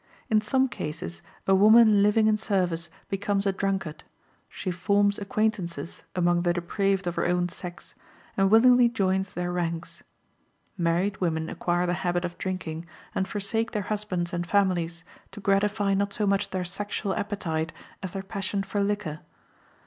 In some cases a woman living in service becomes a drunkard; she forms acquaintances among the depraved of her own sex, and willingly joins their ranks. Married women acquire the habit of drinking, and forsake their husbands and families to gratify not so much their sexual appetite as their passion for liquor.